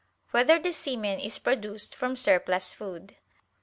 2] Whether the Semen Is Produced from Surplus Food?